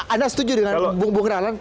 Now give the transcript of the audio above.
anda setuju dengan bung rallam